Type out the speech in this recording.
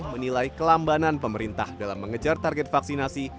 menilai kelambanan pemerintah dalam mengejar target vaksinasi